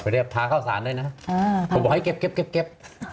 พาเข้าสารด้วยนะผมบอกให้เก็บ